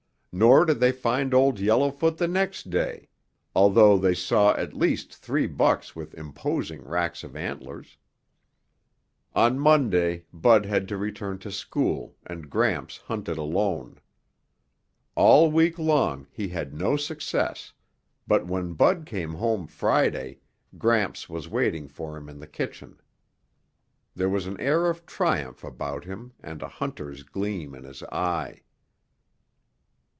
Nor did they find Old Yellowfoot the next day, although they saw at least three bucks with imposing racks of antlers. On Monday Bud had to return to school and Gramps hunted alone. All week long he had no success, but when Bud came home Friday, Gramps was waiting for him in the kitchen. There was an air of triumph about him and a hunter's gleam in his eye.